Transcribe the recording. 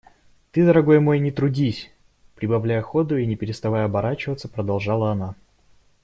Ты, дорогой мой, не трудись! – прибавляя ходу и не переставая оборачиваться, продолжала она.